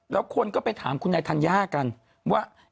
แล้วคนก็ไปถามคุณนายธัญญากันว่า